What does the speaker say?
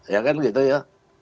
ya kan gitu ya